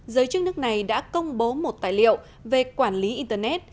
giới chức nước này đã công bố một tài liệu về quản lý internet